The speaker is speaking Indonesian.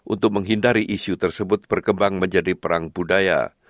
untuk menghindari isu tersebut berkembang menjadi perang budaya